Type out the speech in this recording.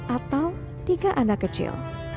atau tiga anak kecil